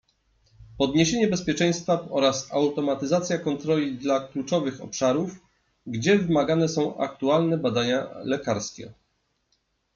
Podniesienie bezpieczeństwa oraz automatyzacja kontroli dla kluczowych obszarów, gdzie wymagane są aktualne badania lekarskie